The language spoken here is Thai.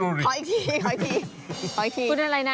ขออีกทีคุณอะไรนะชื่ออะไรนะ